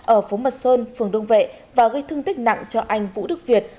ở phố mật sơn phường đông vệ và gây thương tích nặng cho anh vũ đức việt